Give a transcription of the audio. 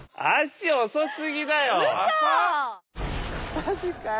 マジかよ